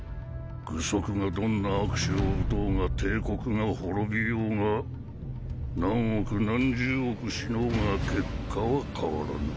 愚息がどんな悪手を打とうが帝国が滅びようが何億何十億死のうが結果は変わらぬ。